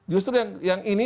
justru yang ini